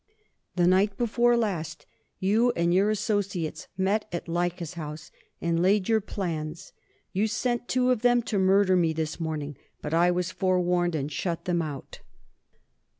_The night before last, you and your associates met at Laeca's house, and laid your plans; you sent two of them to murder me this morning; but I was forewarned and shut them out.